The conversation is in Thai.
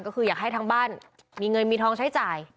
ก็คืออยากให้ทางบ้านมีเงินมีทองใช้จ่าย